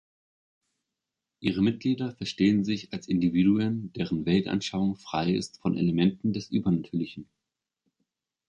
Ihre Mitglieder verstehen sich als Individuen, deren Weltanschauung frei ist von Elementen des Übernatürlichen.